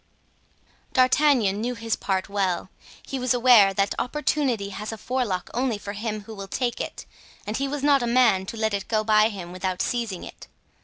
D'Artagnan knew his part well; he was aware that opportunity has a forelock only for him who will take it and he was not a man to let it go by him without seizing it.